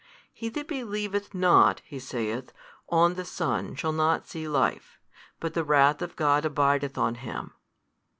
He that believeth not (he saith) on the Son shall not see life, but the wrath of God abideth on him.